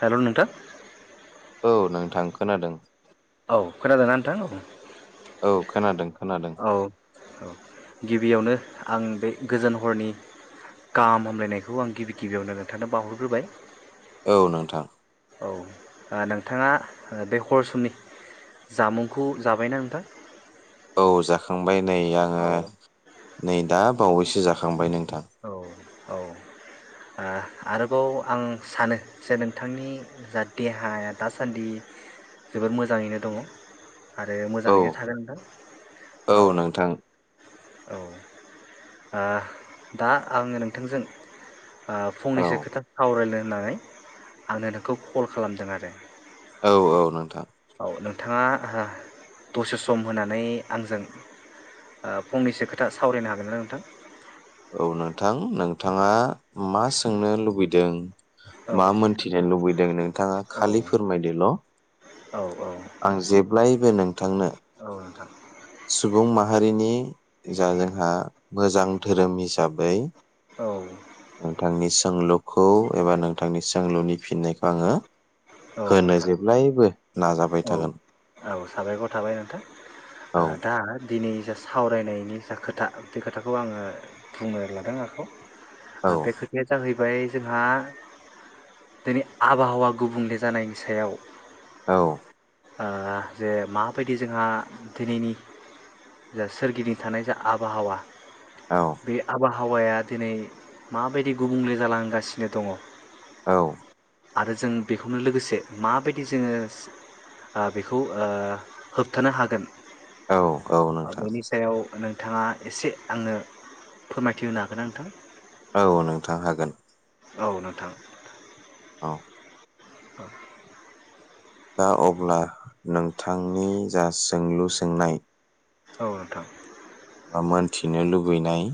Hello नोंथां। औ नोंथां खोनादों। औ खोनादों ना नोंथां? औ खोनादों खोनादों औ औ गिबियावनो आं बे गोजोन हरनि गाहाम हामलायनायखौ आं गिबि गिबियावनो नोंथांनो बावहरग्रोबाय। औ नोंथां। औ आ नोंथाङा बे हर समनि जामुंखौ जाबायना नोंथां? औ जाखांबाय। नै आङो औ नै दा बावैसो जाखांबाय नों औ औ आरोबाव आं सानो जे नोंथांनि जा देहाया दासान्दि जोबोर मोजाङैनो दंङ आरो औ मोजाङैनो थागोन नोंथां औ [unintelligible] औ दा आंङो नोंथांजों औ फंनैसो खोथा सावरायनो होननानै आंनो नोंखौ कल खालामदों आरो औ औ नोंथां औ नोंथांङा दसे सम होनानै आंजों फंनैसो खोथा सावरायनो हागोन ना नोंथां औ नोंथां नोंथांङा मा सोंनो लुबैदों औ मा नोंथां मोनथिनो लुबैदों नोंथाङा औ खालि फोरमायदोल आं जेब्लायबो नों थांनो [unintelligible] सुबुं माहारिनि जा जोंहा मोजां धोरोम हिसाबै औ नोंथांनि सोंलुखौ एबा नोंथांनि सोंलुनि फिननायखौ आंङो औ होनो नोंथां जेब्लायबो नाजाबाय थागोन आ साबायखर थाबाय औ नोंथां दा दिनै जा सावरायनायनि जा खोथा बे खोथाखौ आंङो बुंनो लादों औ आखायाव बे खोथाया जाहैबाय जोंहा दिनै आबहावा गुबुंले जानायनि सायाव औ ओ जे माबायदि जोंहा दिनैनि जा सोरगिदिं थानाय जा आबहावा बे आब बबहावाया दिनै माबायदि गुबुंले जालांगासिनो दंङ औ आरो जों बेखौनो लोगोसे माबायदि जोंङो बेखौ खौ होबथानो हागोन औ औ नोंथां बेनि सायाव नों नोंथाङा एसे आंनो फोरमायथि होनो हागोना नोंथां औ नोंथां हागोन औ नोंथां औ औ दा अब्ला नोंथांनि जा सोंलु सोंनाय औ नोंथां बा मोनथिनो लुुबैनाय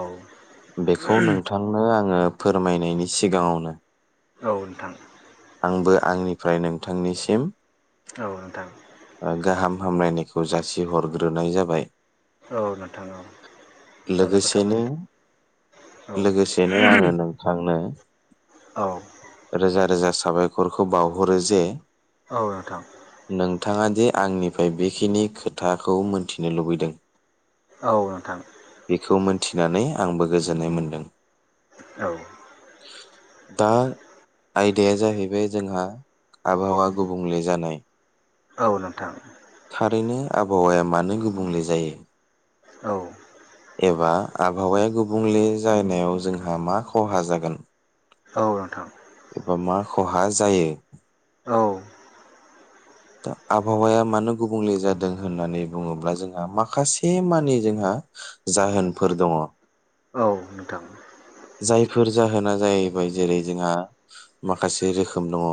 औ बेखौ नोंथांनो आंङो फोरमायनायनि सिगाङावनो औ ओनथां। आंबो आंनिफ्राय नोंथांनिसिम औ नोंथां। ओ गाहाम हामलायनायखौ जासि हरग्रोनाय जाबाय। बाय। औ नोंथां औ साबायखर थाबाय लोगोसेनो नोंथां औ लोगोसेनो आङो नोंथांनो औ रोजा रोजा स साबायख'रखौ बावहरो जे औ नोंथां। थाङा दि आंनिफ्राय बेखिनि खोथाखौ मोन थिनो लुबैदों औ नोंथां थिनानै आंबो गोजोननाय मोनदों। औ। दा आयदाया जाहैबाय जोंहा आबहावा गुबुंले जानाय औ नोंथां। ओरैनो आबहावाया मानो गुबुंले जायो? औ। एबा आबहावाया गुबुंले जानायाव जोंहा मा खहा जागोन? औ नोंथां। एबा मा खहा जायो? औ। दा आबहावाया मानो गुबुंले जादों होननानै बुङोब्ला जोंहा माखासे मानि जोंहा जाहोनफोर दङ'। औ नोंथां जायफोर जाहोना जाहैबाय जेरै जोंहा माखासे रोखोम दङ'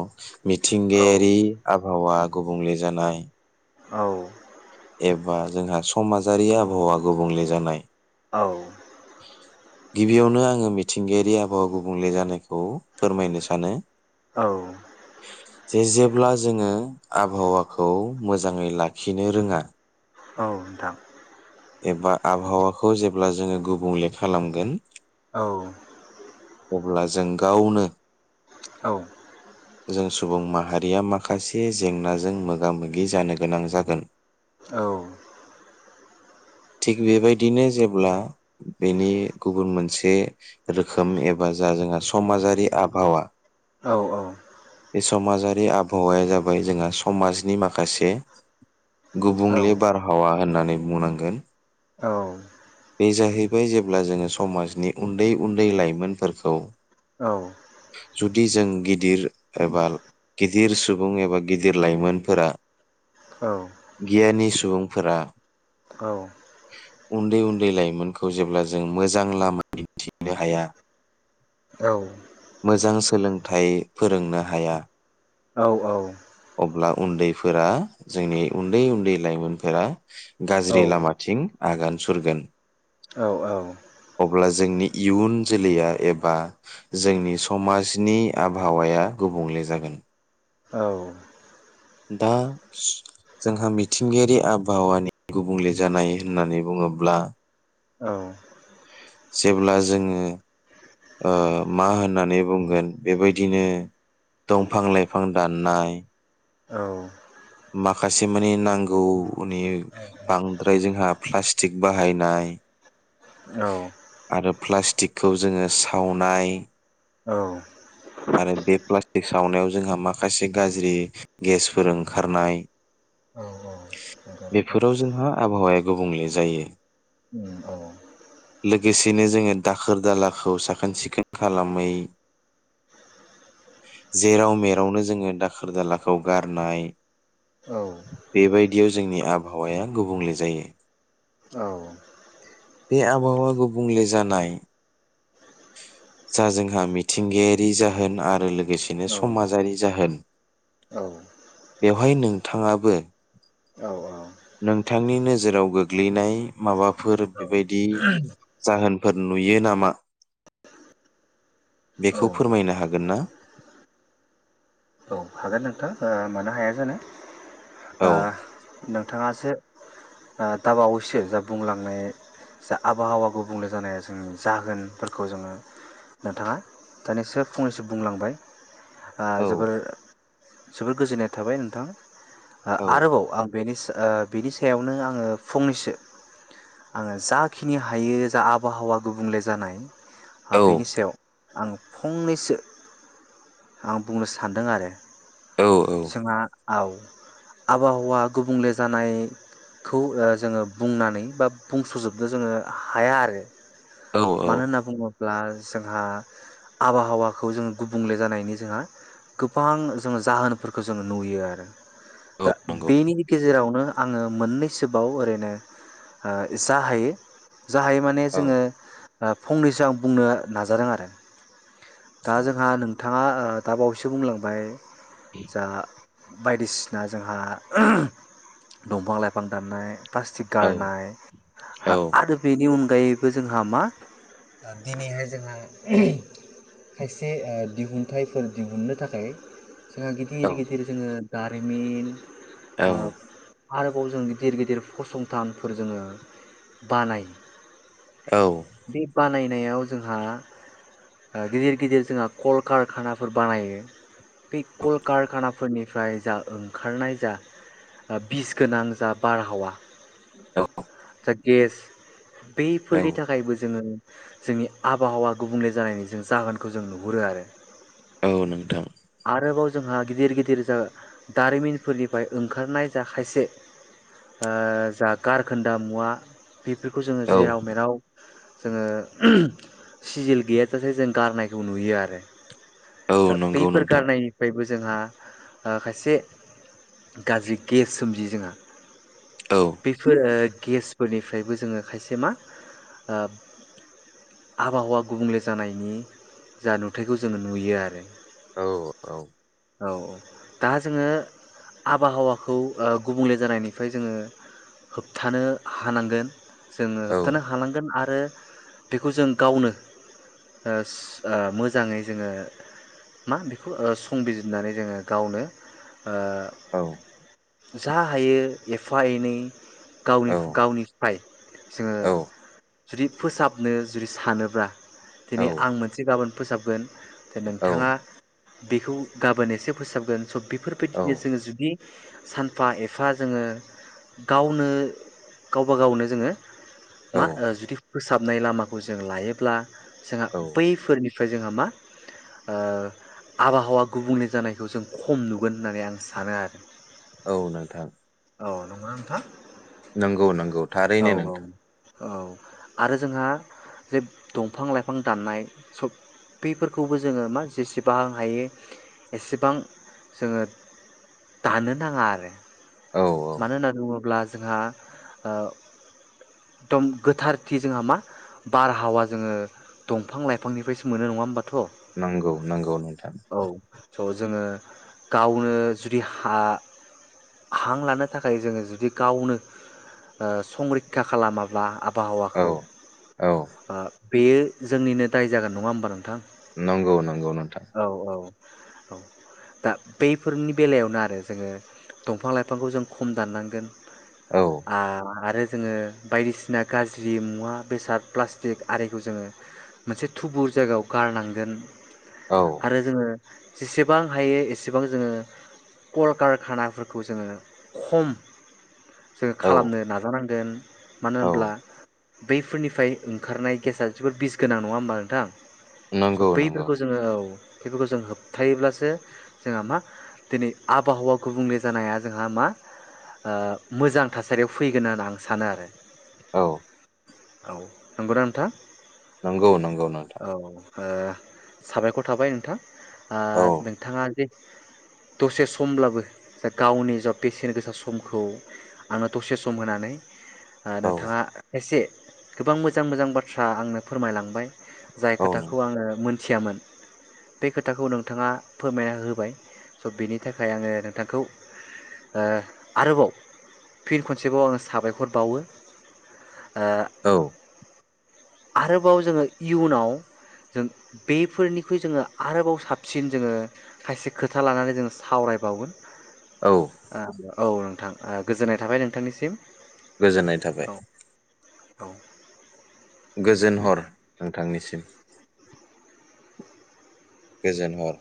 औ मिथिंगायारि आबहावा गुबुंले जानाय औ एबा जोंहा समाजारि आबहावा गुबुंले जानाय। औ गिबियावनो आङो मिथिंगायारि आबहावा गुबुंले जानायखौ फोरमायनो सानो औ जे जेब्ला जोङो आबहावाखौ मोजाङै लाखिनो रोङा औ नोंथां एबा आबहावाखौ जेब्ला जोङो गुबुंले खालामगोन औ अब्ला जों गावनो औ जों सुबुं माहारिया माखासे जेंनाजों मोगा मोगि जानो गोनां जागोन। औ थिग बेबायदिनो जेब्ला बेनि गुबुन मोनसे रोखोम एबा जा जोंहा समाजारि आबहावा औ बे समाजारि आबहावाया जाबाय जोंहा समाजनि माखासे औ गुबुंले बारहावा । होननानै बुंनांगोन। औ बे जाहैबाय जेब्ला जोङो समाजनि उन्दै उन्दै लाइमोनफोरखौ औ। जुदि जों गिदिर एबा गिदिर सुबुं एबा गिदिर लाइमोनफोरा गियानि सुबुंफोरा उन्दै उन्दै लाइमोनखौ जेब्ला जों मोजां लामा दिन्थिनो हाया औ। मोजां सोलोंथाइ फोरोंनो हाया अब्ला उन्दैफोरा जोंनि उन्दै उन्दै लाइमोनफोरा गाज्रि लामा थिं आगान सुरगोन। अब्ला जोंनि इयुन जोलैया एबा जोंनि समाजनि आबहावाया गुबुंले जागोन। औ। दा स जोंहा मिथिंगायारि आबहावानि गुबुंले जानाय होननानै बुङोब्ला जेब्ला जोङो ओ मा होननानै बुंगोन बेबायदिनो दंफां लाइफां दाननाय माखासे माने नांगौनि बांद्राय जोंहा प्लास्टिक बाहायनाय औ आरो प्लास्टिकखौ जोङो सावनाय औ आरो बे प्लास्टिक सावनायाव जोंहा माखासे गाज्रि गेसफोर ओंखारनाय। नंगौ नोंथां बेफोराव जोंहा आबहावाया गुबुंले जायो। उम औ औ लोगोसेनो जोङो दाखोर दालाखौ साखोन सिखोन खालामै जेराव मेरावनो जोङो दाखोर दालाखौ गारनाय औ याव जोंनि आबहावाया गुबुंले जायो। औ बे आबहावा गुबुंले जानाय जा जोंहा मिथिंगायारि जाहोन आरो लोगोसेनो औ समाजारि जाहोन औ बेवहाय नोंथाङाबो नोंथांनि नोजोराव गोग्लैनाय माबाफोर बेबायदि जाहोन फोर नुयो नामा? औ बेखौ फोरमायनो हागोन ना? औ हागोन नोंथां मानो हाया जानो। आ औ नोंथाङा मोनसे दाबावैसो जा बुंलांनाय जा आबहावा गुबुंले जानाया जोंनि जाहोनफोरखौ जोङो नोंथाङा दाानिसो फंनैसो बुंलांबाय आ औ जोबोर जोबोर गोजोननाय थाबाय नोंथां। ओ औ आरोबाव आं बेनि सा ओ बिनि सायावनो आङो फंनैसो आङो जाखिनि हायो जा आबहावा गुबुंले जानाय आ औ बेनि सायाव आं फंनैसो आं बुंनो सानदों आरो औ जोंहा औ आबहावा गुबुंले जानायखौ ओ जोङो बुंनानै बा बुंसजोबनो जोङो हाया आरो। औ मानो होनना बुङो ब्ला जोंहा आबहावाखौ जोंङो गुबुंले जानायनि जोंहा गोबां जोङो जाहोनोफोरखौ जोङो नुयो आरो औ दा नंगौ बेनि गेजेरावनो आङो मोननैसोबाव ओरैनो जा हायो जा हायो माने औ जोङो ओ फंनैसो आं बुंनो नाजादों आरो दा जोंहा नोंथाङा ओ दाबावैसो बुंलांबाय जा बायदिसिना जोंहा दंफां लाइफां दाननाय प्लास्टिक औ गारनाय औ आरो बेनि अन गायैबो जोंहा मा दिनैहाय जोंहा खायसे ओ दिहुनथाइफोर दिहुननो थाखाय जोंहा गिदिर गिदिर जोङो दारिमिन औ ओ आरोबाव जों गिदिर गिदिर फसंथानफोर जोङो बानायो। बि बानाय नायाव जोंहा ओ गिदिर गिदिर जोंहा कल कारखानाफोर बानायो। बे कल कारखानाफोरनिफ्राय जा ओंखारनाय जा ओ बिस गोनां जा बारहावा औ। जा गेस बेफोरनि थाखायबो जोङो जोंनि आबहावा गुबुंले जानायनि जों जाहोनखौ जों नुहुरो आरो। औ नोंथां। आरोबाव जोंहा गिदिर गिदिर जा दारिमिनफोरनिफ्राय ओंखारनाय जा खायसे ओ जा गारखोन्दा मुवा बेफोरखौ जोङो औ जे रावमेराव जोङो सिजेल गैयाजासे जों गारनायखौ नुयो आरो। औ नंगौ। फोर नोंथां गारनायनिफ्रायबो जोंहा ओ खायसे गाज्रि गेस सोमजियो जोंहा। औ बेफोर ओ गेस फोरनिफ्रायबो जोङो खायसे मा आबहावा गुबुंले जानायनि जा नुथायखौ जोङो नुयो आरो। औ औ। औ औ दा जोङो आबहावाखौ ओ गुबुंले जानायनिफ्राय जोङो होबथानो हानांगोन। जोङो औ होबथानो हालांगोन आ रो बेखौ जों गावनो ओ ओ मोजाङै जोङो मा बेखौ ओ संबिजिरनानै जोङो गावनो औ ओ। जा हायो एफा एनै गावनि गावनिफ्राय जोङो जुदि फोसाबनो जुदि सानोब्ला दिनै औ आं मोनसे गाबोन फोसाबगोन दा औ नोंथाङा बेखौ गाबोन एसे फोसाबगोन स बे फोरबायदिनो जोङो जुदि सानफा एफा जोङो गावनो गावबा गावनो जोङो मा औ ओ जुदि फोसाबनाय लामाखौ जों लायोब्ला जोंहा बैफोरनि फ्राय जोंहा मा ओ आबहावा गुबुंले जानायखौ जों खम नुगोन होननानै आं सानो आरो। औ नोंथां। औ नंगौना नोंथां? नंगौ नंगौ औ थारैनो नोंथां। औ आरो जोंहा जे दंफां लाइफां दाननाय सब बेफोरखौबो जोङो मा जेसेब बां हायो एसेबां जोङो दानो नाङा आरो। औ औ मानो होनना बुङोब्ला जोंहा ओ दम गोथारथि जोंहा मा बारहावा जोङो दंफां लाइफांनिफ्रायसो मोनो नङा होमबाथ'? नंगौ। नंगौ नोंथां औ स' जोङो गावनो जुदि हा हां लानो थाखाय जोङो जुदि गावनो संरैखा खालामाब्ला औ आबहावाखौ औ ओ बेयो जोंनिनो दाय जागोन नङा होमबा नोंथां? नंगौ नंगौ। नोंथां औ औ। औ दा बैफोरनि बेलायावनो आरो जोङो दंफां लाइफांखौ जों खम दाननांगोन। औ आ आरो जोङो बायदिसिना गाज्रि मुवा बेसाद प्लास्टिक आरिखौ जोङो मोनसे थुबुर जायगायाव गारनांगोन। औ आरो जोङो जेसेबां हायो एसेबां जोङो कलकारखानाफोरखौ जोङो खम जोङो औ खालामनो नाजानांगौ। [unintelligible] मानो औ होनब्ला बैफोरनिफ्राय ओंखारनाय गेसा जोबोर बिस गोनां नङा होमबा नोंथां? स' नंगौ नंगौ। बैफोरखौ जोङो औ बेफोरखौ जों होबथायोब्लासो जोंहा मा दिनै आबहावा गुबुंले जानाया जोंहा मा ओ मोजां थासारियाव फैगोन होनना आं सानो आरो। औ। औ नंगौना नोंथां? नंगौ नंगौ नोंथां। औ ओ साबायखर थाबाय नोंथां। ओ औ नोंथाङा दसे समब्लाबो गावनि जा बेसेन गोसा समखौ आङो दसे सम होनानै औ नोंथाङा एसे गोबां मोजां मोजां बाथ्रा आंनो फोरमायलांबाय। जाय औ खोथाखौ नोंथां आङो मोन मिथियामोन बे खोथाखौ नोंथाङा फोरमायना होबाय स' बिनि थाखाय आङो नोंथांखौ ओ आरोबाव फिन खनसेबाव आङो साबायखर बावो। ओ औ आरोबाव जोङो इयुनाव जों बेफोरनिख्रुइ जोङो आरोबाव साबसिन जोङो खायसे खोथा लानानै जोङो सावरायबावगोन। औ आबा औ नोंथां ओं गोजोननाय थाबाय नोंथांनिसिम। गोजोननाय थाबाय। औ औ गोजोन हर नोंथांनिस [unintelligible] गोजोन हर।